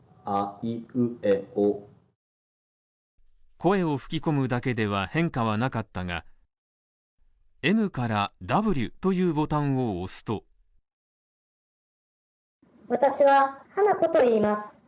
声を吹き込むだけでは変化はなかったが、ＭからＷというボタンを押すと私は花子といいます。